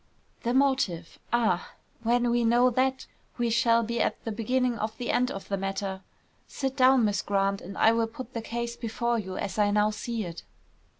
"The motive, ah! When we know that, we shall be at the beginning of the end of the matter. Sit down, Miss Grant, and I will put the case before you as I now see it."